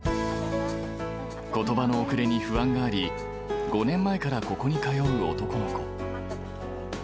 ことばの遅れに不安があり、５年前からここに通う男の子。